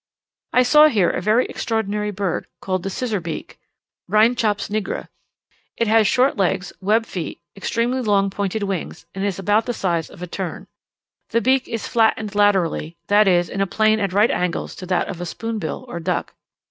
I here saw a very extraordinary bird, called the Scissor beak (Rhynchops nigra). It has short legs, web feet, extremely long pointed wings, and is of about the size of a tern. The beak is flattened laterally, that is, in a plane at right angles to that of a spoonbill or duck.